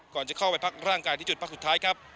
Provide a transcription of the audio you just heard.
ก่อนจะเข้าไปพักร่างกายที่จุดพักสุดท้ายครับ